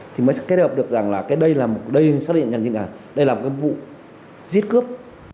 thì mới kết hợp được rằng đây là một vụ giết cướp